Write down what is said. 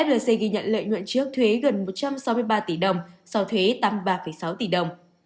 slc ghi nhận lợi nhuận trước thuế gần một trăm sáu mươi ba tỷ đồng sau thuế tăng ba sáu tỷ đồng